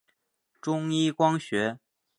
中一光学。